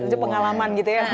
itu pengalaman gitu ya